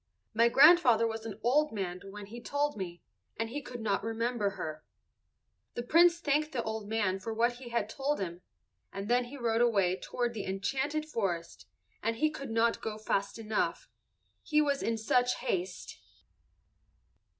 My grandfather was an old man when he told me, and he could not remember her." The Prince thanked the old man for what he had told him, and then he rode away toward the enchanted forest, and he could not go fast enough, he was in such haste.